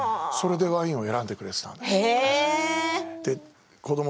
それでワインを選んでくれていたんです。